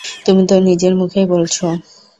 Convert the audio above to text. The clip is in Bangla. তুমি তো নিজের মুখেই বলছো।